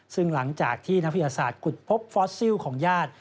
ซึ่งหลังจากที่นักวิทยาศาสตร์ขุดพบฟอสซิลของญาติ